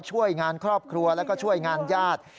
ช่วยงานครอบครัวแล้วก็ช่วยงานญาติ